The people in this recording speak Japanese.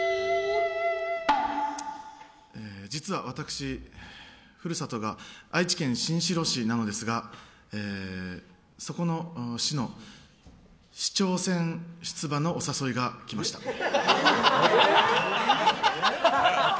実は私、故郷が愛知県新城市なのですがそこの市の市長選出馬のお誘いが来ました。